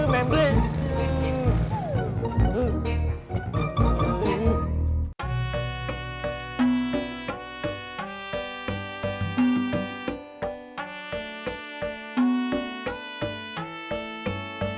beneran nih gak mau ngojek